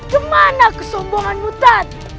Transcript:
kemana kesombonganmu tadi